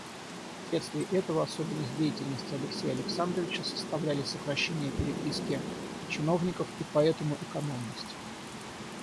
Вследствие этого особенность деятельности Алексея Александровича составляли сокращение переписки чиновников и потому экономность.